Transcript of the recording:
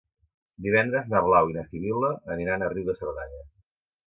Divendres na Blau i na Sibil·la aniran a Riu de Cerdanya.